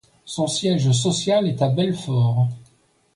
Son siège social est à Belfort.